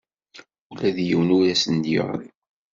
Ula d yiwen ur asent-d-yeɣri.